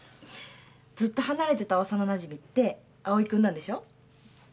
ずっと離れてた幼なじみって葵君なんでしょ？